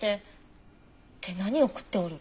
って何を食っておる？